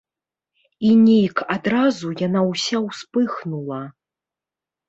І нейк адразу яна ўся ўспыхнула.